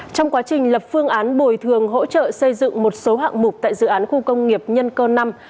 trong quá trình lập phương án bồi thường hỗ trợ xây dựng một số hạng mục tại dự án khu công nghiệp nhân cơ năm